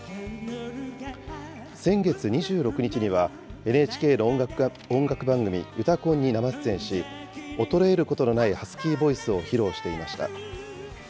先月２６日には、ＮＨＫの音楽番組、うたコンに生出演し、衰えることのないハスキーボイスを披露していました。